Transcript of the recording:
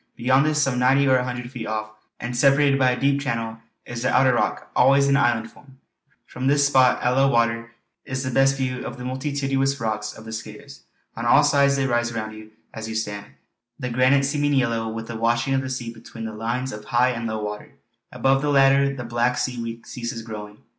Beyond this, some ninety or a hundred feet off and separated by a deep channel, is the outer rock, always in island form. From this spot at low water is the best view of the multitudinous rocks of the Skares. On all sides they rise round you as you stand, the granite seeming yellow with the washing of the sea between the lines of high and low water; above the latter the black seaweed ceases growing.